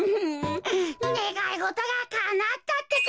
ねがいごとがかなったってか！